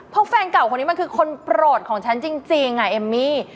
เพราะแฟนเก่าคนนี้มันคือคนโปรดของฉันจริงเอมมี่